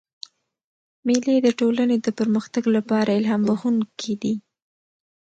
مېلې د ټولني د پرمختګ له پاره الهام بخښونکي دي.